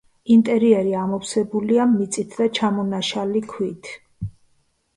ინტერიერი ამოვსებულია მიწით და ჩამონაშალი ქვით.